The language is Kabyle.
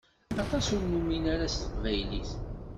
Aṭas ur numin ara s teqbaylit.